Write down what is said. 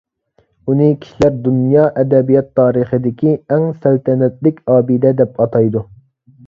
ئۇنى كىشىلەر دۇنيا ئەدەبىيات تارىخىدىكى «ئەڭ سەلتەنەتلىك ئابىدە» دەپ ئاتايدۇ.